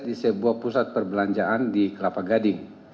di sebuah pusat perbelanjaan di kelapa gading